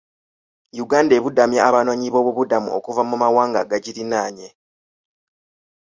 Uganda ebudamya abanoonyi b'obubudamu okuva mu mawanga agagiriraanye.